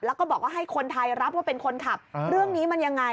แล้วก็บอกว่าให้คนไทยรับว่าเป็นคนขับเรื่องนี้มันยังไง